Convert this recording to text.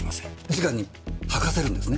直に吐かせるんですね？